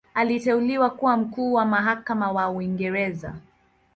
Aliteuliwa kuwa Mkuu wa Mahakama wa Uingereza.